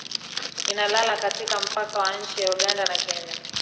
ina lala katika mpaka wa nchi ya uganda na kenya